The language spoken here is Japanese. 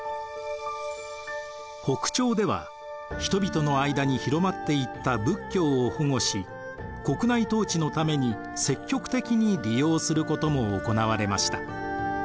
北朝では人々の間に広まっていった仏教を保護し国内統治のために積極的に利用することも行われました。